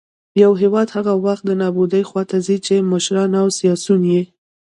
يـو هـېواد هـغه وخـت د نـابـودۍ خـواتـه ځـي ،چـې مـشران او سـياسيون يـې